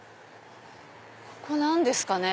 ここ何ですかね？